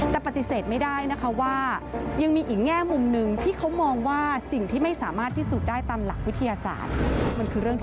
แต่ปฏิเสธไม่ได้นะคะว่ายังมีอีกแง่มุมหนึ่งที่เขามองว่าสิ่งที่ไม่สามารถพิสูจน์ได้ตามหลักวิทยาศาสตร์